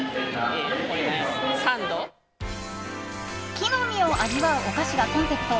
木の実を味わうお菓子がコンセプト。